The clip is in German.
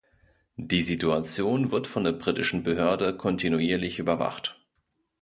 Die Situation wird von der britischen Behörde kontinuierlich überwacht.